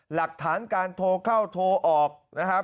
หลักฐานการโทรเข้าโทรออกนะครับ